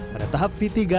pada tahap v tiga